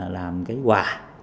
làm cái quà